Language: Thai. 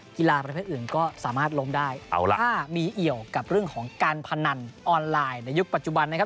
กีฬาประเภทอื่นก็สามารถล้มได้เอาล่ะถ้ามีเอี่ยวกับเรื่องของการพนันออนไลน์ในยุคปัจจุบันนะครับ